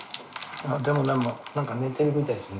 でもなんか寝てるみたいですね。